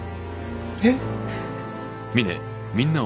えっ？